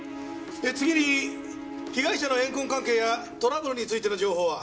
次に被害者の怨恨関係やトラブルについての情報は？